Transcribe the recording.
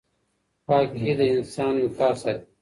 پاکي د انسان وقار ساتي.